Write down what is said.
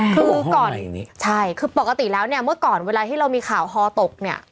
คือก่อนใช่คือปกติแล้วเนี่ยเมื่อก่อนเวลาที่เรามีข่าวฮอตกเนี่ย